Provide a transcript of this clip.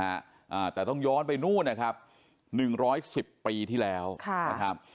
อ่าแต่ต้องย้อนไปนู่นนะครับหนึ่งร้อยสิบปีที่แล้วค่ะนะครับ